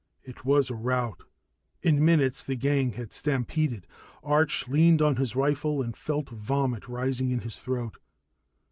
It was a rout in minutes, the gang had stampeded. Arch leaned on his rifle and felt vomit rising in his throat.